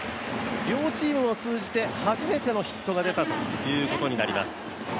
両チームを通じて、初めてのヒットが出たということになります。